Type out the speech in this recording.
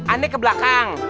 aneh ke belakang